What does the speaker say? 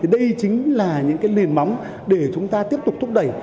đây chính là những nền móng để chúng ta tiếp tục thúc đẩy